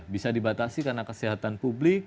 bisa dibatasi karena kesehatan publik